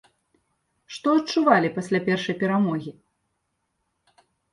Што адчувалі пасля першай перамогі?